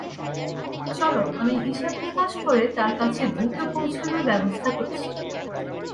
চলো, আমি হিসাব-নিকাশ করে তার কাছে দ্রুত পৌঁছানোর ব্যবস্থা করছি।